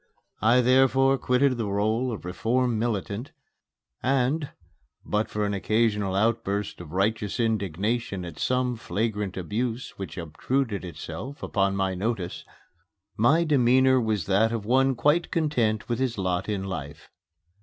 I therefore quitted the role of reformer militant; and, but for an occasional outburst of righteous indignation at some flagrant abuse which obtruded itself upon my notice, my demeanor was that of one quite content with his lot in life.